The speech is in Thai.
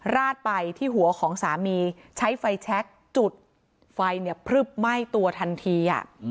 ราดไปที่หัวของสามีใช้ไฟแชคจุดไฟเนี่ยพลึบไหม้ตัวทันที